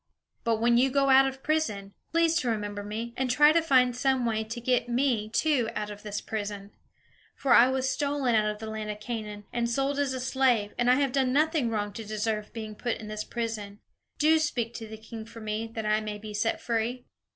But when you go out of prison, please to remember me, and try to find some way to get me, too, out of this prison. For I was stolen out of the land of Canaan, and sold as a slave; and I have done nothing wrong to deserve being put in this prison. Do speak to the king for me, that I may be set free."